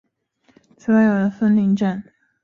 此外亦有一条路线途经此处前往粉岭站。